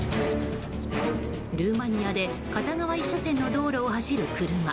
ルーマニアで片側１車線の道路を走る車。